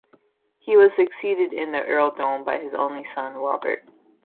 He was succeeded in the earldom by his only son Robert.